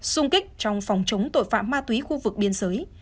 xung kích trong phòng chống tội phạm ma túy khu vực biên giới